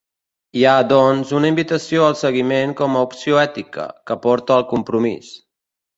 Hi ha, doncs, una invitació al seguiment com a opció ètica, que porta al compromís.